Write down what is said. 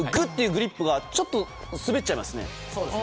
グリップがちょっと滑っちゃいますね。